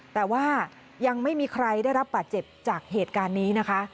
แต่ว่ายังไม่มีใครได้รับบาดเจ็บจากเหตุการณ์นี้นะคะ